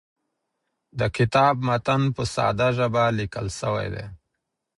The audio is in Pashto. د کتاب متن په ساده ژبه لیکل سوی دی.